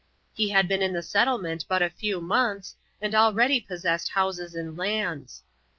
He had been in the settlement but a few months, and already possessed houses and lands.